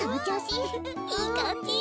いいかんじ！